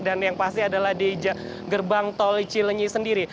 dan yang pasti adalah di gerbang tol cilenyi sendiri